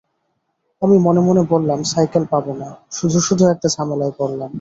আমি মনে মনে বললাম, সাইকেল পাব না, শুধু শুধু একটা ঝামেলায় পড়লাম।